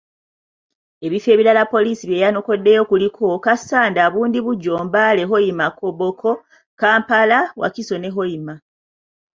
Ebifo ebirala poliisi bye yanokoddeyo kuliko; Kassanda, Bundibugyo, Mbale, Hoima, Koboko, Kampala, Wakiso ne Hoima.